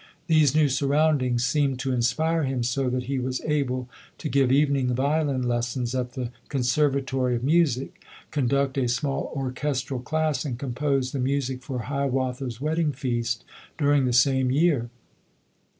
These new surroundings seemed to in spire him so that he was able to give evening violin lessons at the conservatory of music, conduct a small orchestral class and compose the music for "Hiawatha's Wedding Feast" during the same year.